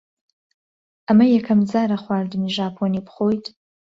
ئەمە یەکەم جارە خواردنی ژاپۆنی بخۆیت؟